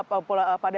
pada hari ini